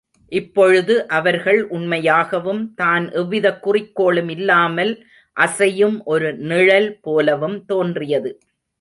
இப்பொழுது அவர்கள் உண்மையாகவும் தான் எவ்விதக் குறிக்கோளும் இல்லாமல் அசையும் ஒரு நிழல் போலவும் தோன்றியது.